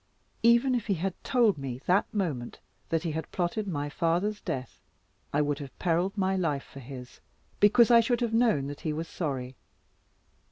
Even if he had told me that moment, that he had plotted my father's death, I would have perilled my life for his; because I should have known that he was sorry.